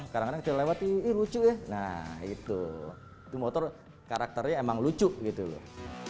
karena terlewati lucu ya nah itu motor karakternya emang lucu gitu loh